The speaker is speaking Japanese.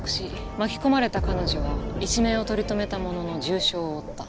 巻き込まれた彼女は一命を取り留めたものの重傷を負った。